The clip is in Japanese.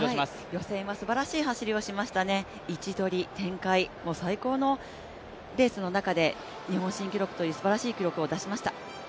予選はすばらしい走りをしましたね、位置取り、展開最高のレースの中で日本新記録というすばらしい記録を出しました。